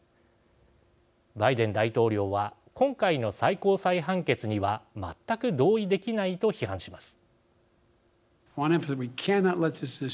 バイデン大統領は今回の最高裁判決には全く同意できないと批判します。